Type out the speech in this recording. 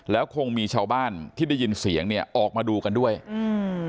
แล้วคงมีชาวบ้านที่ได้ยินเสียงเนี้ยออกมาดูกันด้วยอืม